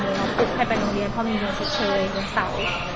แล้วปุ๊บให้ไปโรงเรียนเพราะมีเงินเจ็บเชยเงินเศร้า